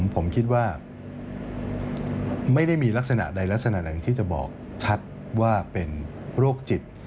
ผมคิดว่าไม่ได้มีลักษณะใดลักษณะไหนที่จะบอกชัดว่าเป็นโรคจิต